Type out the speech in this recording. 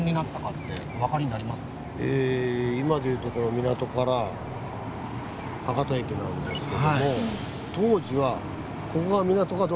今でいうところ港から博多駅なんですけども当時はここが港かどうか分からないですよね。